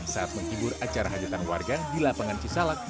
saat menghibur acara hajatan warga di lapangan cisalak